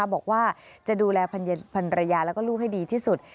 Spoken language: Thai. บอกว่าจะดูแลพันรยาแล้วก็ลูกให้ดีที่สุด